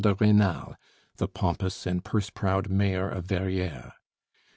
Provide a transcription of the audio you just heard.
de Rênal, the pompous and purse proud Mayor of Verrières.